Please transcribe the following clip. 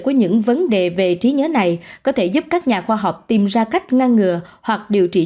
của những vấn đề về trí nhớ này có thể giúp các nhà khoa học tìm ra cách ngăn ngừa hoặc điều trị